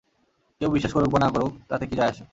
কেউ বিশ্বাস করুক বা না করুক, তাতে কি যায় আসে?